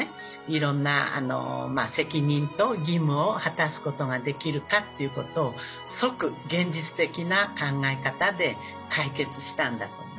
いろんな責任と義務を果たすことができるかっていうことを即現実的な考え方で解決したんだと思う。